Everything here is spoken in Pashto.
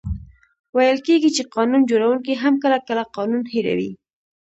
ویل کېږي چي قانون جوړونکې هم کله، کله قانون هېروي.